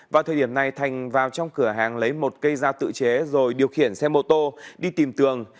vào thời điểm này thành vào trong cửa hàng lấy một cây dao tự chế rồi điều khiển xe mô tô đi tìm tường